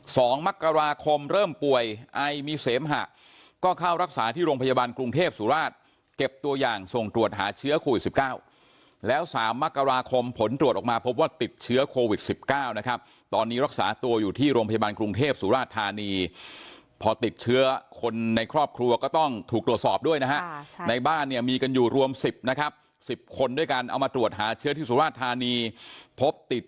สองมักกราคมเริ่มป่วยไอมีเสมหะก็เข้ารักษาที่โรงพยาบาลกรุงเทพศุราชเก็บตัวอย่างส่งตรวจหาเชื้อคู่สิบเก้าแล้วสามมักกราคมผลตรวจออกมาพบว่าติดเชื้อโควิดสิบเก้านะครับตอนนี้รักษาตัวอยู่ที่โรงพยาบาลกรุงเทพศุราชธารณีพอติดเชื้อคนในครอบครัวก็ต้องถูกตรวจสอบด